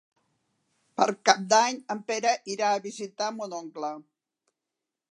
Per Cap d'Any en Pere irà a visitar mon oncle.